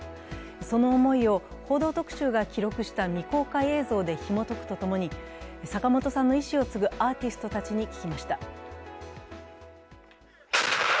その思いを「報道特集」が記録した未公開映像でひもとくとともに、坂本さんの遺志を継ぐアーティストたちに聞きました。